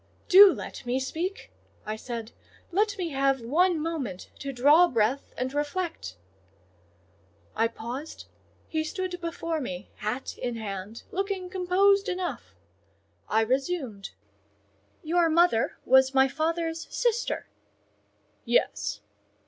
"Do let me speak," I said; "let me have one moment to draw breath and reflect." I paused—he stood before me, hat in hand, looking composed enough. I resumed— "Your mother was my father's sister?" "Yes."